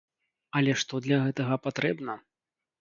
Але што для гэтага патрэбна?